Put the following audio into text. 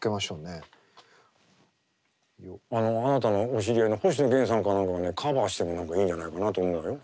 あなたのお知り合いの星野源さんか何かがねカバーしても何かいいんじゃないかなと思うよ。